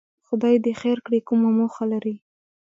خدای دې خیر کړي، کومه موخه لري؟